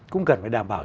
cũng cần phải đảm bảo